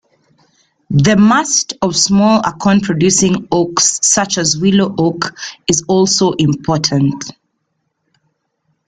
The mast of small-acorn producing oaks, such as willow oak, is also important.